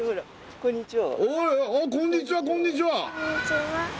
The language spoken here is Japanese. こんにちは！